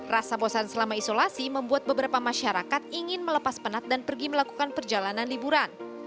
rasa bosan selama isolasi membuat beberapa masyarakat ingin melepas penat dan pergi melakukan perjalanan liburan